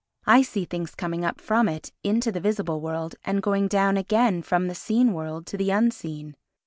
I see things coming up from it into the visible world and going down again from the seen world to the unseen.